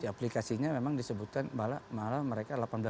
aplikasinya memang disebutkan malah mereka delapan belas